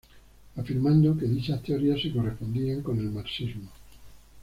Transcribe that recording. Afirmando que dichas teorías se correspondían con el marxismo.